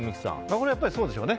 これはそうでしょうね。